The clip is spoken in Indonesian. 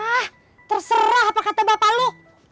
hah terserah apa kata bapak lo